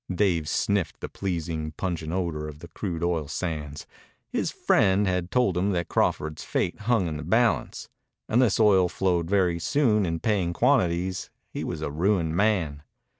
Dave sniffed the pleasing, pungent odor of the crude oil sands. His friend had told him that Crawford's fate hung in the balance. Unless oil flowed very soon in paying quantities he was a ruined man.